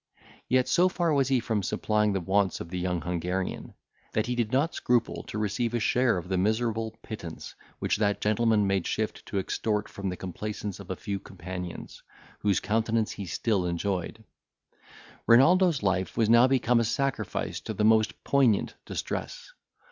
Yet, so far was he from supplying the wants of the young Hungarian, that he did not scruple to receive a share of the miserable pittance which that gentleman made shift to extort from the complaisance of a few companions, whose countenance he still enjoyed. Renaldo's life was now become a sacrifice to the most poignant distress.